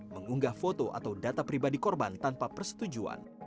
mengunggah foto atau data pribadi korban tanpa persetujuan